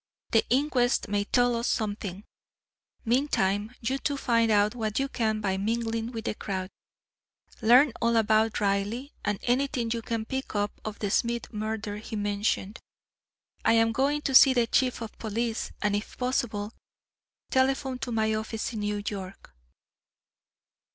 The inquest may tell us something. Meantime, you two find out what you can by mingling with the crowd. Learn all about Reilly; and anything you can pick up of the Smith murder he mentioned. I am going to see the Chief of Police; and, if possible, telephone to my office in New York."